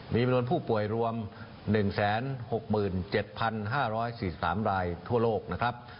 มีจำนวนผู้ป่วยรวม๑๖๗๕๔๓รายทั่วโลกนะครับ